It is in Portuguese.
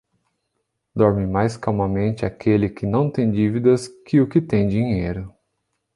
Dorme mais calmamente aquele que não tem dívidas que o que tem dinheiro.